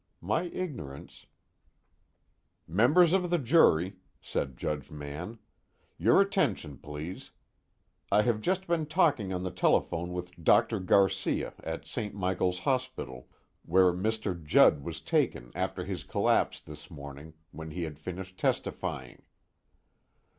My ignorance_ "Members of the jury," said Judge Mann, "your attention, please. I have just been talking on the telephone with Dr. Garcia at St. Michael's Hospital, where Mr. Judd was taken after his collapse this morning when he had finished testifying."